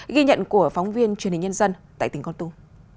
ghi nhận của phóng viên truyền hình nhân dân tại tỉnh con tum